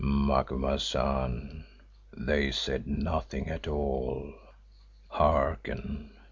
"Macumazahn, they said nothing at all. Hearken!